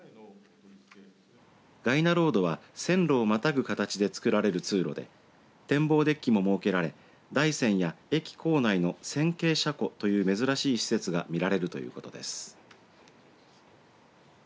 がいなロードは線路をまたぐ形で造られる通路で展望デッキも設けられ大山や駅構内の扇形車庫という珍しい施設が見られるということです。